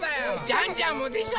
ジャンジャンもでしょ！